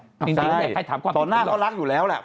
ใครถามความผิดคุณหรอกตอนหน้าเรารักอยู่แล้วแหละ